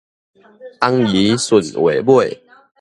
尪姨順話尾